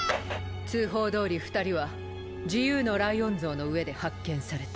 通報どおり２人は自由のライオン像の上で発見された。